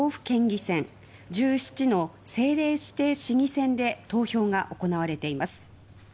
４１の道府県議選１７の政令指定市議選で投票が行われています。